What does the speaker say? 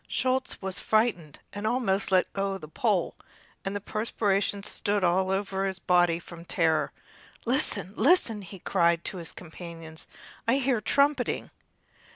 Schulz was frightened and almost let go the pole, and the perspiration stood all over his body from terror. "Listen, listen!" he cried to his companions; "I hear a trumpeting!"